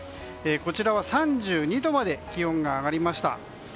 こちらは３２度まで気温が上がりました。